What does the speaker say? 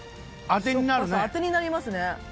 あてになりますね。